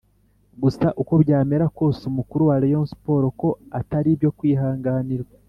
Gusa uko byamera kose umukuru wa Rayon sport ko atari ibyo kwihanganirwa.